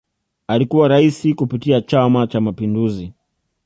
Alikuwa Rais kupitia Chama Cha Mapinduzi